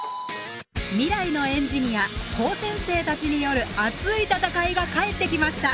未来のエンジニア高専生たちによる熱い戦いが帰ってきました。